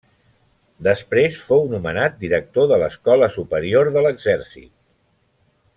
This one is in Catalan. Després fou nomenat director de l'Escola Superior de l'Exèrcit.